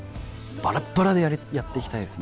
バラッバラでやって行きたいですね。